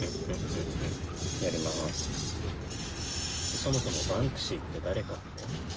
そもそもバンクシーって誰かって？